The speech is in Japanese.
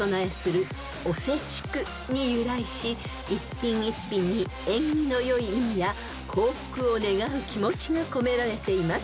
［一品一品に縁起の良い意味や幸福を願う気持ちが込められています］